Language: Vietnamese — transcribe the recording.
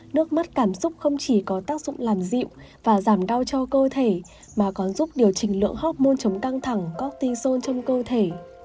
nước mắt cảm xúc không chỉ có tác dụng làm dịu và giảm đau cho cơ thể mà còn giúp điều chỉnh lượng hoc mon chống căng thẳng coinson trong cơ thể